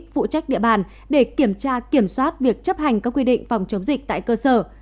phụ trách địa bàn để kiểm tra kiểm soát việc chấp hành các quy định phòng chống dịch tại cơ sở